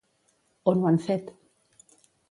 On ho han fet?